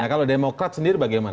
kalau demokrat sendiri bagaimana